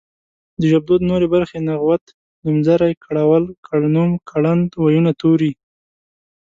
د ژبدود نورې برخې نغوت نومځری کړول کړنوم کړند وييونه توري